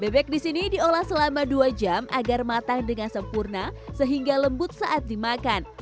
bebek di sini diolah selama dua jam agar matang dengan sempurna sehingga lembut saat dimakan